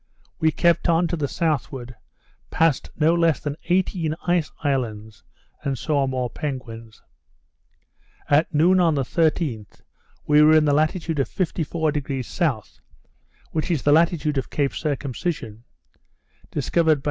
We kept on to the southward, passed no less than eighteen ice islands, and saw more penguins. At noon on the 13th, we were in the latitude of 54° S., which is the latitude of Cape Circumcision, discovered by M.